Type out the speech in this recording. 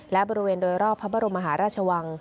และบริเวณโดยรอบพระบรมมหาราชวัง